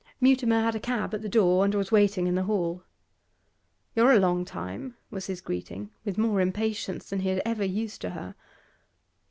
Mutimer had a cab at the door, and was waiting in the hall. 'You're a long time,' was his greeting, with more impatience than he had ever used to her.